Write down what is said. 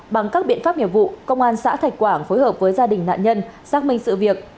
bằng các biện pháp nghiệp vụ công an xã thạch quảng phối hợp với gia đình nạn nhân xác minh sự việc